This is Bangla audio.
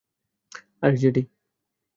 আরে, জেডি!